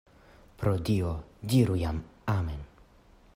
Pro Dio, diru jam amen!